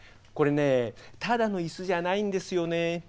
これねただの椅子じゃないんですよね。